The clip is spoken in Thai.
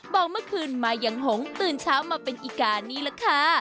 เมื่อคืนมายังหงตื่นเช้ามาเป็นอีกานี่แหละค่ะ